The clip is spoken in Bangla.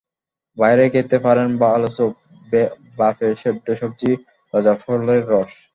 বাইরে খেতে পারেন ভালো সুপ, ভাপে সেদ্ধ সবজি, তাজা ফলের রস।